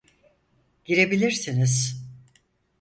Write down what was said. Girebilirsiniz.